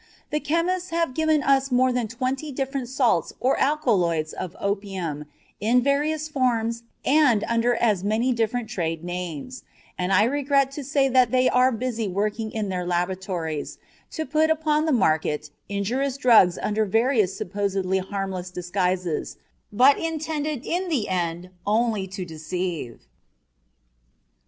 The chemists have given us more than twenty different salts or alkaloids of opium in various forms and under as many different trade names, and I regret to say that they are busy working in their laboratories to put upon the market injurious drugs under various supposedly harmless disguises, but intended in the end only to deceive.